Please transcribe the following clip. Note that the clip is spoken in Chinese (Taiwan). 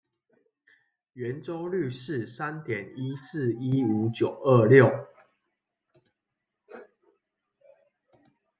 圓周率是三點一四一五九二六